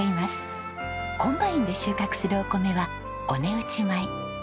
コンバインで収穫するお米はお値打ち米。